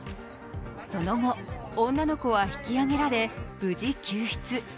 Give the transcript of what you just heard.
その後、女の子は引き上げられ、無事救出。